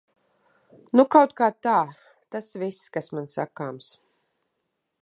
Nu kautkā tā. Tas viss, kas man sakāms.